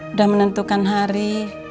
udah menentukan hari